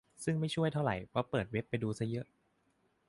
ซึ่งไม่ช่วยเท่าไหร่ เพราะไปเปิดเว็บให้ดูซะเยอะ